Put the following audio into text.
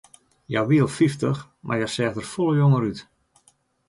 Hja wie al fyftich, mar hja seach der folle jonger út.